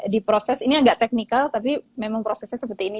di proses ini agak teknikal tapi memang prosesnya seperti ini